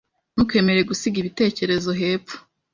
Ntukemere gusiga ibitekerezo hepfo.